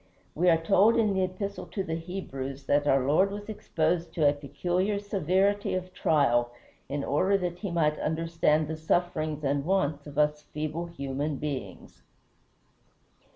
We are told in the Epistle to the Hebrews that our Lord was exposed to a peculiar severity of trial in order that he might understand the sufferings and wants of us feeble human beings.